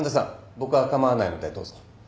僕は構わないのでどうぞ。